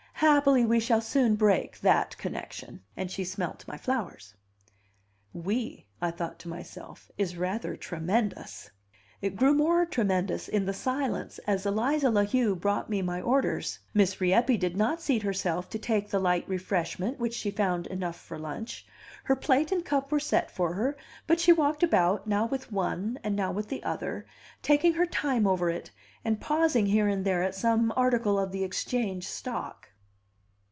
Happily we shall soon break that connection." And she smelt my flowers. "'We,'" I thought to myself, "is rather tremendous." It grew more tremendous in the silence as Eliza La Heu brought me my orders. Miss Rieppe did not seat herself to take the light refreshment which she found enough for lunch. Her plate and cup were set for her, but she walked about, now with one, and now with the other, taking her time over it, and pausing here and there at some article of the Exchange stock.